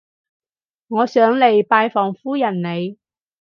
我想嚟拜訪夫人你